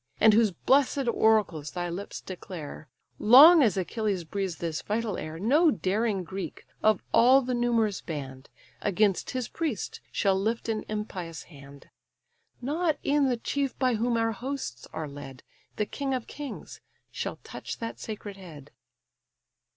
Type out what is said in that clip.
And whose bless'd oracles thy lips declare; Long as Achilles breathes this vital air, No daring Greek, of all the numerous band, Against his priest shall lift an impious hand; Not e'en the chief by whom our hosts are led, The king of kings, shall touch that sacred head."